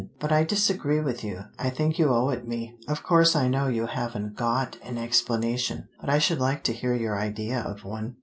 But I disagree with you. I think you owe it me. Of course I know you haven't got an explanation. But I should like to hear your idea of one."